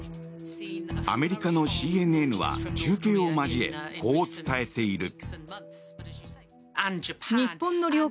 アメリカのＣＮＮは中継を交えこう伝えている。